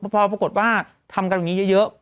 พอปรากฏว่าทำกันแบบนี้เยอะ